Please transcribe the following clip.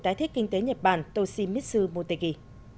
tái thiết kinh tế nhật bản toshimitsu motegi